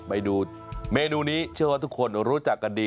เมนูนี้เชื่อว่าทุกคนรู้จักกันดี